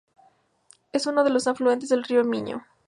Es uno de los Afluentes del río Miño.